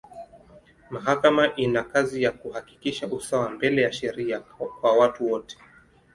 Mahakama ina kazi ya kuhakikisha usawa mbele ya sheria kwa watu wote.